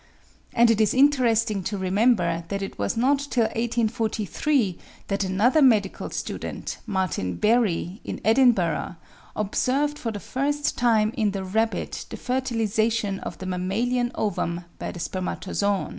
And it is interesting to remember that it was not till 1843 that another medical student, Martin Barry, in Edinburgh, observed for the first time in the rabbit the fertilisation of the mammalian ovum by the spermatozoon.